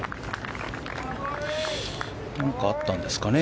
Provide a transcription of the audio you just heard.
何かあったんですかね。